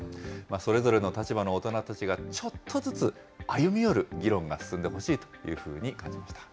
それぞれの立場の大人たちが、ちょっとずつ歩み寄る議論が進んでほしいというふうに感じました。